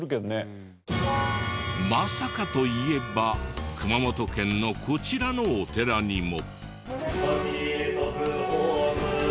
まさかといえば熊本県のこちらのお寺にも。